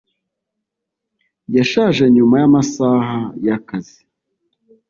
Yashaje nyuma yamasaha yakazi.